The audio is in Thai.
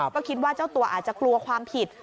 ก็คิดว่าเจ้าตัวอาจจะกลัวความผิด